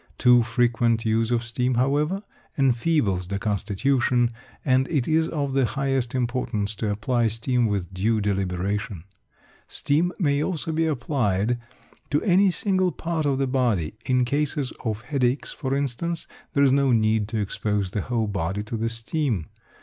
Too frequent use of steam, however, enfeebles the constitution, and it is of the highest importance to apply steam with due deliberation. Steam may also be applied to any single part of the body; in cases of headache, for instance, there is no need to expose the whole body to the steam.